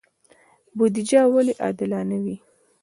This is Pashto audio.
بودجه ولې عادلانه وي؟